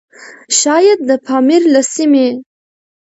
شايد د پامير له سيمې؛